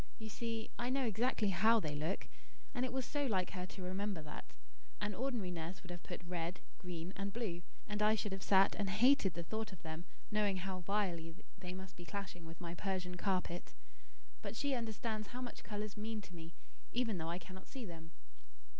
You see, I know exactly how they look; and it was so like her to remember that. An ordinary nurse would have put red, green, and blue, and I should have sat and hated the thought of them knowing how vilely they must be clashing with my Persian carpet. But she understands how much colours mean to me, even though I cannot see them."